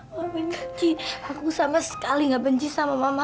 ma benci aku sama sekali ga benci sama mama